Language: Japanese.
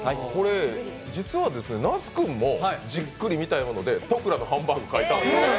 実は那須君もじっくり見たいもので戸倉のハンバーグ書いたんですよね。